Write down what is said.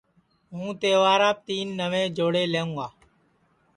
ہوں تہواراپ تین نئوے جوڑے لئوں گا